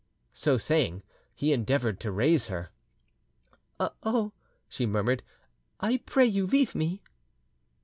So saying, he endeavoured to raise her. "Oh," she murmured, "I pray you leave me."